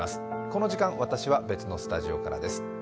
この時間、私は別のスタジオからです。